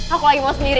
aku lagi mau sendiri